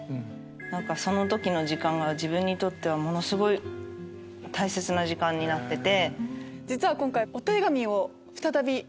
その時の時間が自分にとってはものすごい大切な時間になってて。